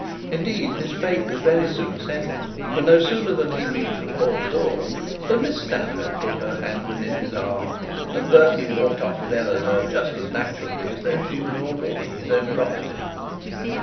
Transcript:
Indeed, his fate was very soon settled, for no sooner had he reached the hall door, than Miss Stanhope put her hand within his arm, and Bertie walked off with Eleanor just as naturally as though she were already his own property.